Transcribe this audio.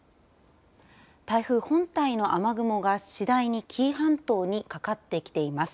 台風本体の雨雲が次第に紀伊半島にかかってきています。